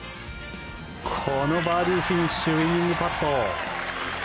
このバーディーフィニッシュウィニングパット。